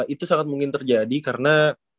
itu sangat mungkin terjadi karena